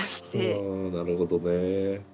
はあなるほどね。